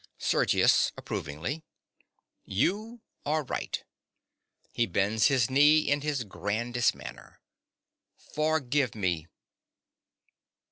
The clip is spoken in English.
SERGIUS. (approvingly). You are right. (He bends his knee in his grandest manner.) Forgive me!